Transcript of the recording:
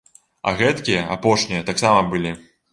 А гэткія, апошнія, таксама былі.